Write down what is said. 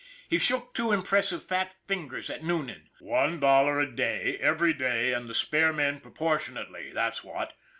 He shook two impressive fat fingers at Noonan. " One dollar a day, every day, and the spare men proportionately, that's what!